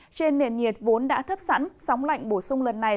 trên nền nhiệt vốn đã thấp sẵn sóng lạnh bổ sung lần này